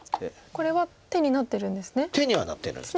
これは手になってるんですね。